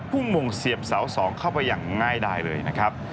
่งมงเสียบเสา๒เข้าไปอย่างง่ายได้เลยนะครับ